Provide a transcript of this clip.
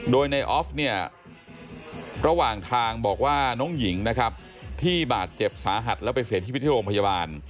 โดยในออฟเนี่ยระหว่างทางบอกว่าน้องหญิงนะครับที่บาดเจ็บสาหัสแล้วไปเสียชีวิตที่โรงพยาบาล